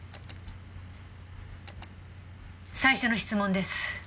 最初の質問です。